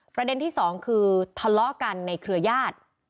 ประเด็นที่สองคือทะเลาะกันในเครือญาติ